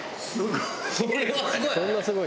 これはすごい！